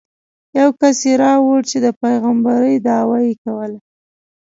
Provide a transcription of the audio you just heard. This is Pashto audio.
یو کس یې راوړ چې د پېغمبرۍ دعوه یې کوله.